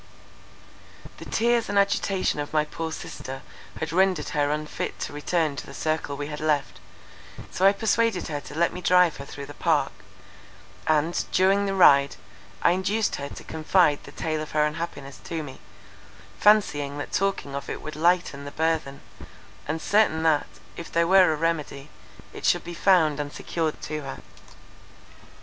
The tears and agitation of my poor sister had rendered her unfit to return to the circle we had left—so I persuaded her to let me drive her through the park; and, during the ride, I induced her to confide the tale of her unhappiness to me, fancying that talking of it would lighten the burthen, and certain that, if there were a remedy, it should be found and secured to her.